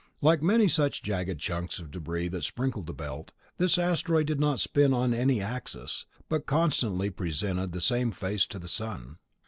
Like many such jagged chunks of debris that sprinkled the Belt, this asteroid did not spin on any axis, but constantly presented the same face to the sun.